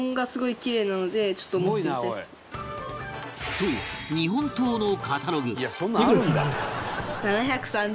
そう日本刀のカタログ